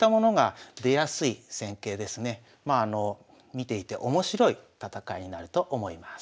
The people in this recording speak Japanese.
見ていて面白い戦いになると思います。